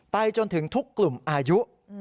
จนถึงทุกกลุ่มอายุ